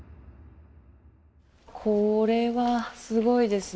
これはすごいですね